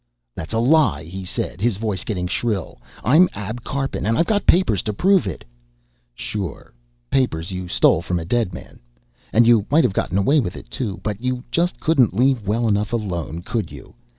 "That's a lie," he said, his voice getting shrill. "I'm Ab Karpin, and I've got papers to prove it." "Sure. Papers you stole from a dead man. And you might have gotten away with it, too. But you just couldn't leave well enough alone, could you?